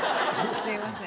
すいません。